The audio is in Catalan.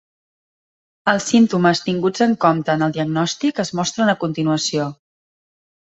Els símptomes tinguts en compte en el diagnòstic es mostren a continuació.